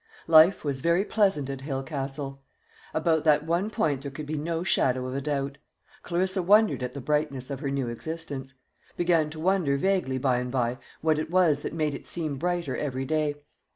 Life was very pleasant at Hale Castle. About that one point there could be no shadow of doubt. Clarissa wondered at the brightness of her new existence; began to wonder vaguely by and by what it was that made it seem brighter every day.